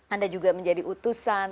anda juga menjadi utusan